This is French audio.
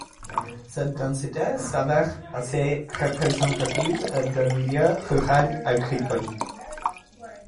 Cette densité s’avère assez représentative d’un milieu rural agricole.